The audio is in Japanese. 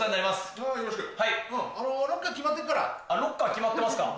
ロッカー決まってっから。